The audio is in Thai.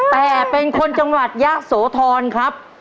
แต่เป็นคนจังหวัดยะโสธรครับ